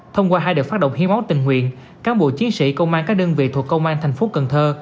thông qua hai đợt phát động hiến máu tình nguyện cán bộ chiến sĩ công an các đơn vị thuộc công an thành phố cần thơ